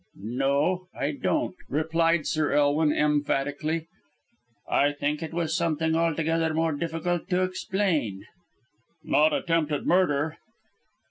"No I don't," replied Sir Elwin emphatically. "I think it was something altogether more difficult to explain." "Not attempted murder?"